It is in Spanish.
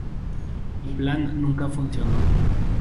El plan nunca funcionó.